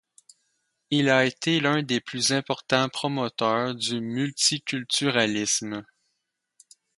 Il a été l'un des plus importants promoteurs du multiculturalisme.